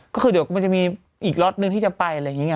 ก็คือเดี๋ยวมันจะมีอีกล็อตนึงที่จะไปอะไรอย่างนี้ไง